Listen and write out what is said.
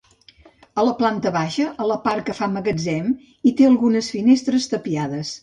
A la planta baixa, a la part que fa magatzem hi té algunes finestres tapiades.